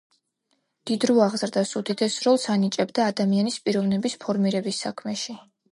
დიდრო აღზრდას უდიდეს როლს ანიჭებდა ადამიანის პიროვნების ფორმირების საქმეში.